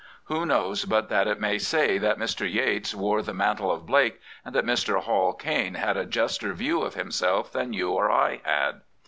Who knows but that it may say that Mr. Yeats wore the mantle of Blake and that Mr. Hall Caine had a juster view of himself than you or I had?